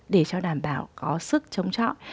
để cho đảm bảo có sức chống chọ